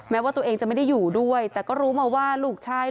แม้ว่าตัวเองจะไม่ได้อยู่ด้วยแต่ก็รู้มาว่าลูกชาย